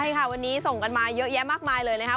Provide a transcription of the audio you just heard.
ใช่ค่ะวันนี้ส่งกันมาเยอะแยะมากมายเลยนะครับ